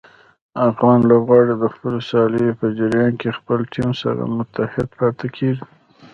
افغان لوبغاړي د خپلو سیالیو په جریان کې خپل ټیم سره متحد پاتې کېږي.